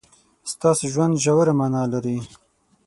ستاسو ژوند ژوره مانا لري.